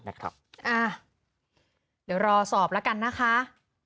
เดี๋ยวรอสอบแล้วกันนะคะ